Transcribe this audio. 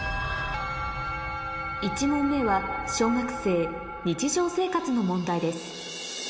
１問目は小学生日常生活の問題です